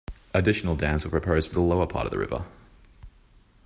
Additional dams were proposed for the lower part of the river.